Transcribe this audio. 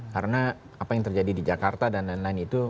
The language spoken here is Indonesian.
karena apa yang terjadi di jakarta dan lain lain itu